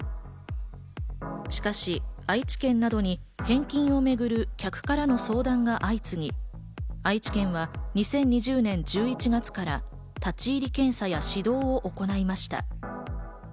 しかし愛知県などに返金をめぐる客からの相談が相次ぎ、愛知県は２０２０年１１月から立ち入り検査や指導を行いました。